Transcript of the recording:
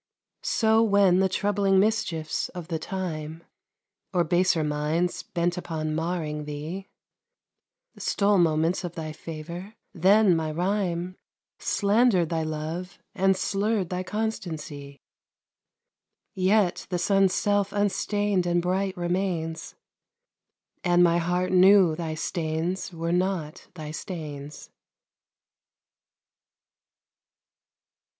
So when the troubling mischiefs of the time, Or baser minds, bent upon marring thee, Stole moments of thy favour, then my rhyme Slander'd thy love and slurr'd thy constancy. Yet the sun's self unstain'd and bright remains, And my heart knew thy stains were not thy stains.